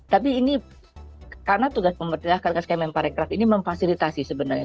tapi ini karena tugas pemerintah km empat rekrut ini memfasilitasi sebenarnya